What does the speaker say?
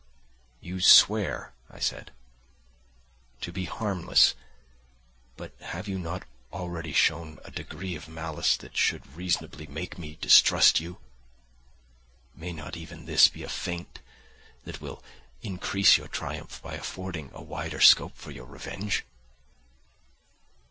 "You swear," I said, "to be harmless; but have you not already shown a degree of malice that should reasonably make me distrust you? May not even this be a feint that will increase your triumph by affording a wider scope for your revenge?"